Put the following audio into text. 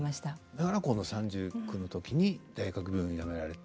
だからこの３９の時に大学病院やめられて。